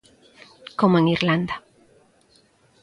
Como en Irlanda!